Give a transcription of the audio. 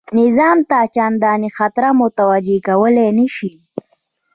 نظام ته چنداني خطر متوجه کولای نه شي.